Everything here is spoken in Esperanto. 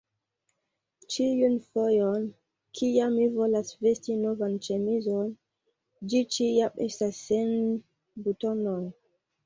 ĉiun fojon, kiam mi volas vesti novan ĉemizon, ĝi ĉiam estas sen butonoj!